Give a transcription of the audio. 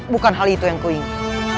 bukan hal itu yang kuinginkan